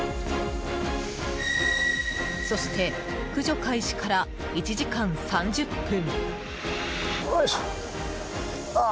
そして、駆除開始から１時間３０分。